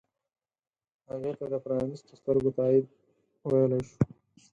هغې ته د پرانیستو سترګو تایید ویلی شو.